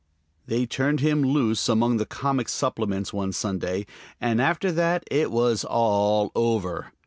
They turned him loose among the comic supplements one Sunday, and after that it was all over.